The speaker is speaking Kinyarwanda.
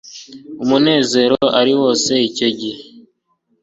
umunezero ari wose icyo gihe